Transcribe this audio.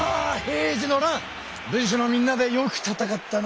平治の乱武士のみんなでよく戦ったな！